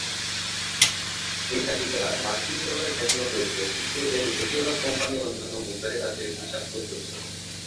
এই তালিকা মার্কিন ডলারে দেখানো হয়েছে, কিন্তু এর বেশিরভাগ কোম্পানী অন্যান্য মুদ্রায় তাদের হিসাব প্রস্তুত করে।